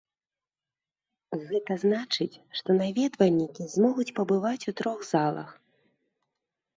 Гэта значыць, што наведвальнікі змогуць пабываць у трох залах.